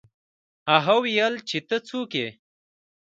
هغه وویل چې ته څوک یې.